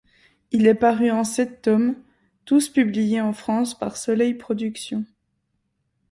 Il est paru en sept tomes, tous publiés en France par Soleil Productions.